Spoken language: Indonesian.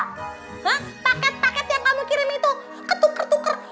nah paket paket yang kamu kirim itu ketuker tuker